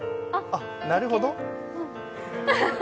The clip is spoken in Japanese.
なるほど。